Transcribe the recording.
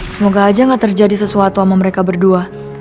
semoga aja gak terjadi sesuatu sama mereka berdua